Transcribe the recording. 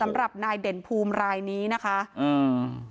สำหรับนายเด่นภูมิรายนี้นะคะอืม